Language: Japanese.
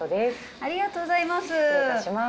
ありがとうございます。